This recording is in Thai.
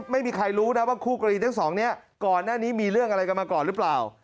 ไม่มีใครรู้นะว่าคู่กรณีทั้งสองนี้ก่อนหน้านี้มีเรื่องอะไรกันมาก่อนหรือเปล่า